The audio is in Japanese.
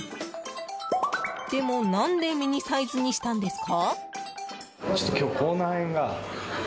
でも、何でミニサイズにしたんですか？